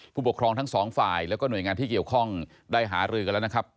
ผู้ปกครองทั้งสองฝ่ายแล้วก็หน่วยงานที่เกี่ยวข้องได้หารือกันแล้วนะครับ